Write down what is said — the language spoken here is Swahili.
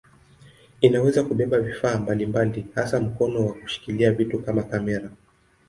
Inaweza kubeba vifaa mbalimbali hasa mkono wa kushikilia vitu na kamera.